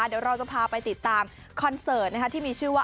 เดี๋ยวเราจะพาไปติดตามคอนเสิร์ตที่มีชื่อว่า